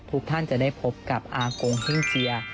ทุกท่านจะได้พบกับอากงพึ่งเจีย